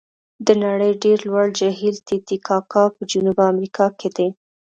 د نړۍ ډېر لوړ جهیل تي تي کاکا په جنوب امریکا کې دی.